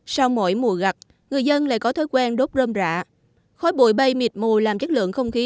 sau mỗi mùa gặt người dân lại có thói quen đốt rơm rạ khói bụi bay mịt mù làm chất lượng không khí